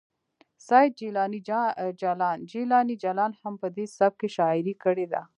سید جیلاني جلان هم په دې سبک کې شاعري کړې ده